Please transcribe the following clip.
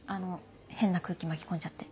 変な空気巻き込んじゃって。